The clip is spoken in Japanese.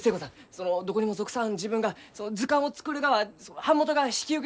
そのどこにも属さん自分が図鑑を作るがは版元が引き受けてくれません。